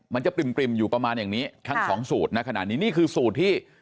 มันจะปริ่มอยู่ประมาณอย่างนี้ทั้งสองสูตรนะขนาดนี้นี่คือสูตรที่